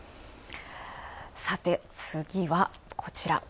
さて、次はこちら。